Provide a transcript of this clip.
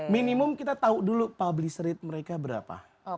minimum kita tahu dulu publish rate mereka berapa